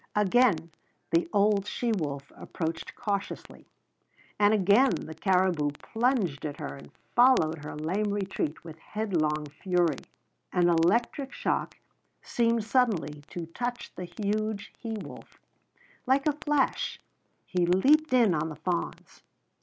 Again the old she wolf approached cautiously, and again the caribou plunged at her and followed her lame retreat with headlong fury. An electric shock seemed suddenly to touch the huge he wolf. Like a flash he leaped in on the fawns.